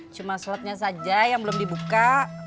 cuma slotnya saja yang belum dibuka